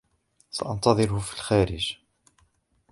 سأنتظر في الخارج.